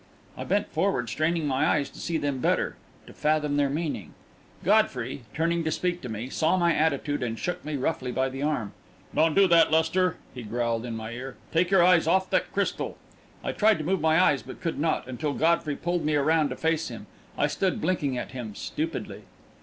I bent forward, straining my eyes to see them better, to fathom their meaning ... Godfrey, turning to speak to me, saw my attitude and shook me roughly by the arm. "Don't do that, Lester!" he growled in my ear. "Take your eyes off that crystal!" I tried to move my eyes, but could not, until Godfrey pulled me around to face him. I stood blinking at him stupidly.